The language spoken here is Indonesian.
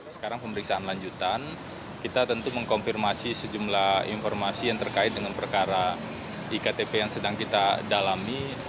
sekarang pemeriksaan lanjutan kita tentu mengkonfirmasi sejumlah informasi yang terkait dengan perkara iktp yang sedang kita dalami